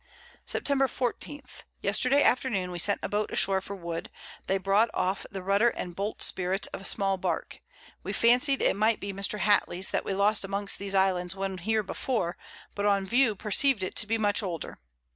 Sept. 14. Yesterday Afternoon we sent a Boat ashore for Wood, they brought off the Rudder and Boltsprit of a small Bark; we fancy'd it might be Mr. Hattley's that we lost amongst these Islands when here before, but on view perceiv'd it to be much older.